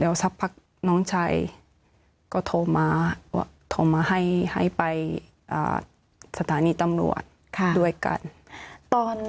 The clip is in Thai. แล้วสักพักน้องชายก็โทรมาให้ไปสถานีตำรวจด้วยกัน